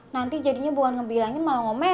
nanti jadinya bukan ngebilangin malah ngome